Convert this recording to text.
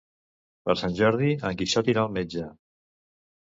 Per Sant Jordi en Quixot irà al metge.